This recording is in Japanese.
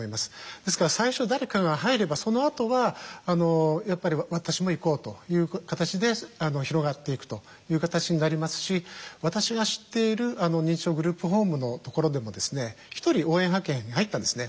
ですから最初誰かが入ればそのあとはやっぱり私も行こうという形で広がっていくという形になりますし私が知っている認知症グループホームのところでも１人応援派遣に入ったんですね。